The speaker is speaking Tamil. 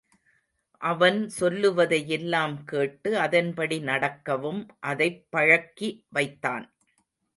அவன் சொல்லுவதையெல்லாம் கேட்டு அதன்படி நடக்கவும் அதைப் பழக்கி வைத்தான்.